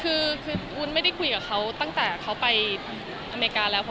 คือวุ้นไม่ได้คุยกับเขาตั้งแต่เขาไปอเมริกาแล้ว